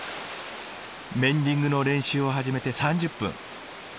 メンディングの練習を始めて３０分。